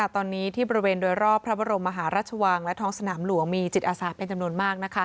ตอนนี้ที่บริเวณโดยรอบพระบรมมหาราชวังและท้องสนามหลวงมีจิตอาสาเป็นจำนวนมาก